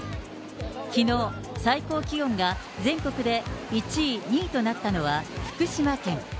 きのう、最高気温が全国で１位、２位となったのは福島県。